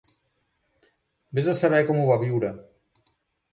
Ves a saber com ho va viure.